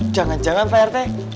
jangan jangan pak rt